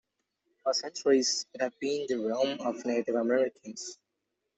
For centuries, it had been the realm of Native Americans.